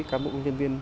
cán bộ công nhân viên